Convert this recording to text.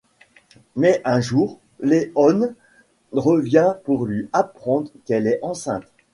Mais un jour, Leone revient pour lui apprendre qu'elle est enceinte...